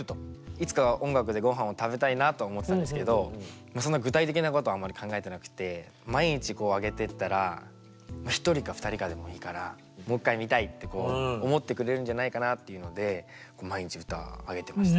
いつか音楽でごはんを食べたいなとは思ってたんですけどそんな具体的なことはあんまり考えてなくて毎日あげてったら１人か２人かでもいいからもう１回見たいって思ってくれるんじゃないかなっていうので毎日歌あげてました。